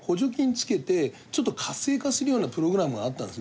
つけてちょっと活性化するようなプログラムがあったんです